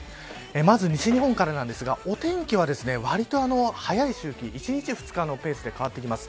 まず西日本からなんですがお天気はわりと早い周期１日、２日のペースで変わってきます。